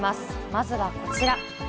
まずはこちら。